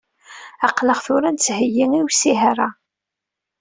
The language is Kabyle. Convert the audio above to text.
Aql-aɣ tura nettheyyi i usihar-a.